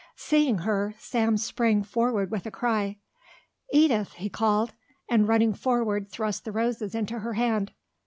Seeing her, Sam sprang forward with a cry. "Edith!" he called, and running forward thrust the roses into her hand.